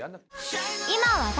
今話題！